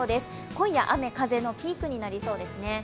今夜、雨・風のピークになりそうですね。